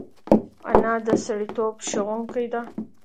انا د سړیتوب ښوونکې ده